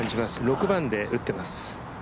６番で打ってます。